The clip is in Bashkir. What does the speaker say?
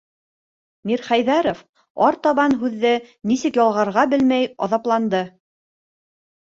- Мирхәйҙәров артабан һүҙҙе нисек ялғарға белмәй аҙапланды.